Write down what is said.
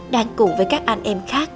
đang cùng với các anh em khác